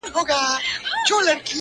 ویل دا پنیر کارګه ته نه ښایيږي،